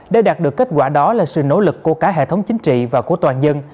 để đạt được kết quả đó là sự nỗ lực của cả hệ thống chính trị và của toàn dân